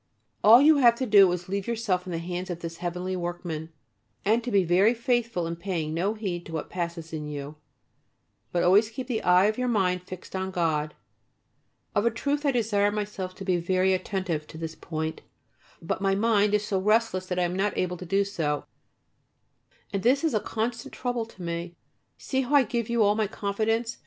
All you have to do is to leave yourself in the hands of this heavenly Workman, and to be very faithful in paying no heed to what passes in you, but always keep the eye of your mind fixed on God. Of a truth I desire myself to be very attentive to this point, but my mind is so restless that I am not able to do so, and this is a constant trouble to me. See how I give you all my confidence.